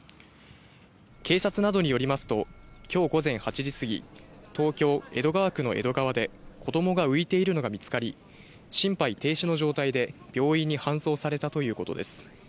警察などによりますと、今日午前８時過ぎ、東京・江戸川区の江戸川で子供が浮いているのが見つかり、心肺停止の状態で病院に搬送されたということです。